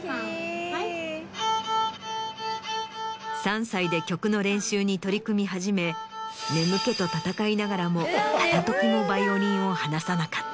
３歳で曲の練習に取り組み始め眠気と闘いながらも片時もヴァイオリンを離さなかった。